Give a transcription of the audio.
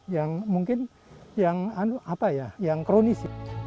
yang mungkin yang kronis